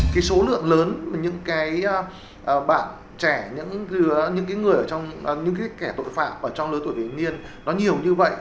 cái số lượng lớn những bạn trẻ những người những kẻ tội phạm ở trong lớp tuổi tuổi niên nó nhiều như vậy